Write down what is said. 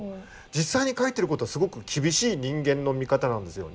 実際に書いてる事はすごく厳しい人間の見方なんですよ。